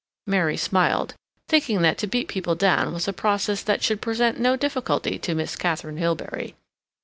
Mary smiled, thinking that to beat people down was a process that should present no difficulty to Miss Katharine Hilbery.